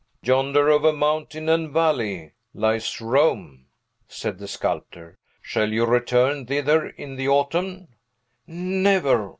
"Yonder, over mountain and valley, lies Rome," said the sculptor; "shall you return thither in the autumn?" "Never!